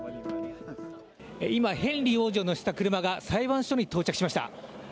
今、ヘンリー王子を乗せた車が裁判所に到着しました。